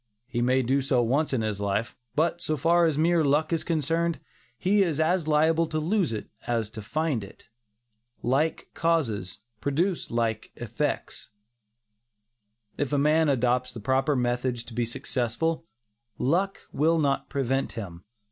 He may do so once in his life; but so far as mere luck is concerned, he is as liable to lose it as to find it. "Like causes produce like effects." If a man adopts the proper methods to be successful, "luck" will not prevent him.